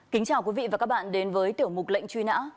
kính chào quý vị và các bạn đến với tiểu mục lệnh truy nã